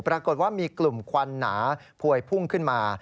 ปรากฏว่ามีกลุ่มควันหนาพวยพุ่งขึ้นมา